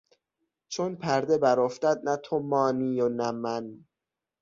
چون پرده برافتد نه تو مانی و نه من